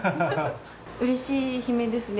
うれしい悲鳴ですね。